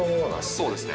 そうですね。